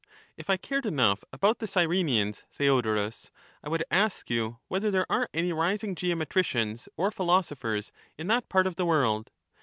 If I cared enough about the Cyrenians, Theo ^^^1;,. dorus, I would ask you whether there are any rising geo ^^ metricians or philosophers in that part of the world.